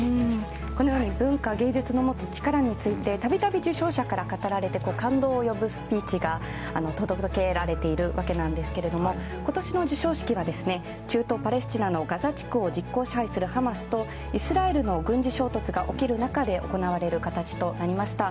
このように文化・芸術の持つ力について度々、受賞者から語られて感動を呼ぶスピーチが届けられているわけなんですが今年の授賞式は中東パレスチナのガザ地区を実効支配するハマスとイスラエルの軍事衝突が起きる中で行われる形となりました。